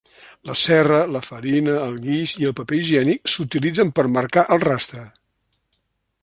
La serra, la farina, el guix i el paper higiènic s'utilitzen per marcar el rastre.